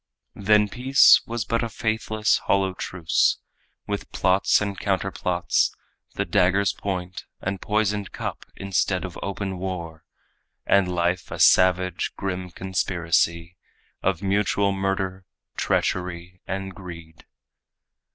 Then peace was but a faithless, hollow truce, With plots and counter plots; the dagger's point And poisoned cup instead of open war; And life a savage, grim conspiracy Of mutual murder, treachery and greed.